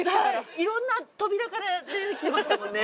いろんな扉から出てきましたもんね。